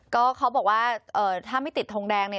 ก็เขาบอกว่าถ้าไม่ติดทงแดงเนี่ย